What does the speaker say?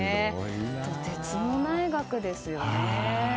とてつもない額ですよね。